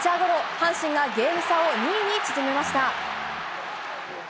阪神がゲーム差を２に縮めました。